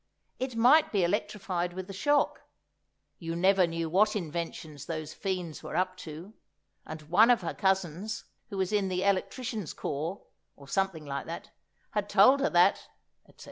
It might be electrified with the shock; you never knew what inventions those fiends were up to, and one of her cousins who was in the electricians' corp (or something like that) had told her that——, etc.